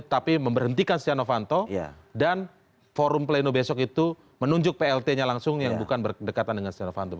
tapi memberhentikan setia novanto dan forum pleno besok itu menunjuk plt nya langsung yang bukan berdekatan dengan setia novanto